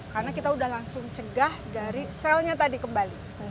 karena kita sudah langsung cegah dari selnya tadi kembali